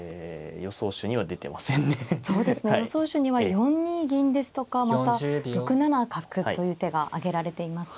予想手には４二銀ですとかまた６七角という手が挙げられていますね。